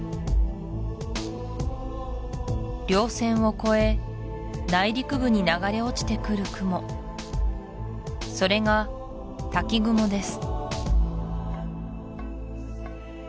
稜線を越え内陸部に流れ落ちてくる雲それが滝雲です